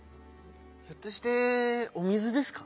ひょっとしてお水ですか？